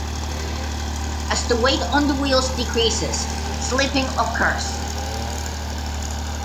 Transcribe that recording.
As the weight on the wheels decreases slipping occurs.